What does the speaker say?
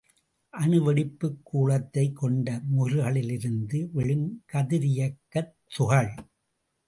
அணுவெடிப்புக் கூளத்தைக் கொண்ட முகில்களிலிருந்து விழும் கதிரியக்கத் துகள்.